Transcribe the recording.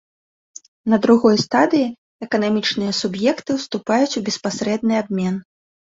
На другой стадыі эканамічныя суб'екты ўступаюць у беспасрэдны абмен.